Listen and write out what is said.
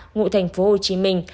ngụ thành phố hồ chí minh